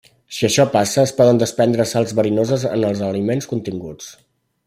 Si això passa, es poden desprendre sals verinoses en els aliments continguts.